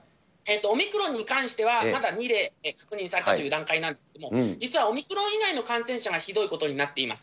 オミクロンに関しては、まだ２例確認されたという段階なんですけれども、実はオミクロン以外の感染者がひどいことになっています。